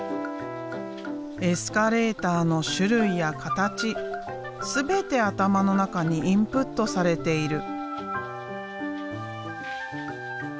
エスカレーターの種類や形全て頭の中にインプットされている。